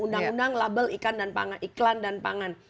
undang undang label iklan dan pangan